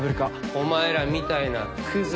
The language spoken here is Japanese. お前らみたいなクズ。